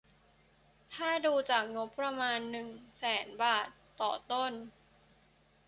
ถ้าดูจากงบประมาณ หนึ่ง แสนบาทต่อต้น